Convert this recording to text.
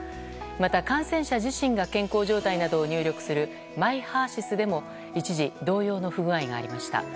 また、感染者自身が健康状態などを入力するＭｙＨＥＲ‐ＳＹＳでも一時、同様の不具合がありました。